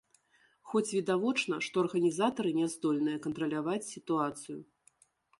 Хоць відавочна, што арганізатары не здольныя кантраляваць сітуацыю.